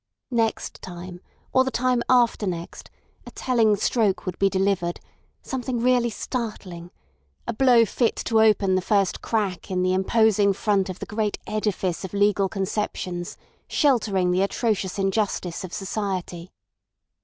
Next time, or the time after next, a telling stroke would be delivered—something really startling—a blow fit to open the first crack in the imposing front of the great edifice of legal conceptions sheltering the atrocious injustice of society.